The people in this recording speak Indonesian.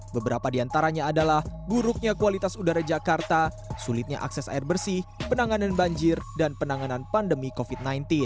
beberapa diantaranya adalah buruknya kualitas udara jakarta sulitnya akses air bersih penanganan banjir dan penanganan pandemi covid sembilan belas